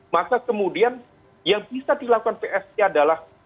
maka kemudian yang bisa dilakukan psi adalah